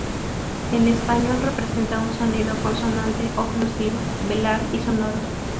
En español representa un sonido consonante oclusiva, velar y sonoro.